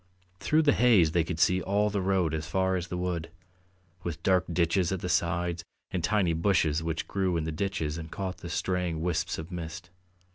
Through the haze they could see all the road as far as the wood, with dark ditches at the sides and tiny bushes which grew in the ditches and caught the straying wisps of mist.